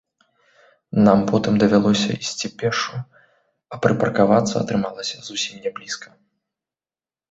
Нам потым давялося ісці пешшу, а прыпаркавацца атрымалася зусім не блізка.